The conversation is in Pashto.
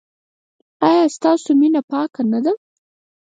ایا ستاسو مینه پاکه نه ده؟